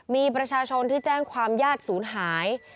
มีประชาชนที่แจ้งความญาติศูนย์หาย